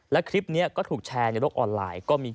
และคลิปนี้ก็ถูกแชร์ในโลกออนไลน์